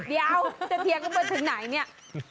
เดี๋ยวเดี๋ยวเพียงไปจากไหนเนี่ย